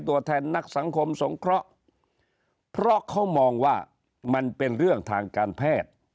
ตัวแทนนักสังคมสงเคราะห์เพราะเขามองว่ามันเป็นเรื่องทางการแพทย์